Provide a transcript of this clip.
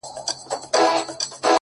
• یو لوی ډنډ وو تر سایو د ونو لاندي ,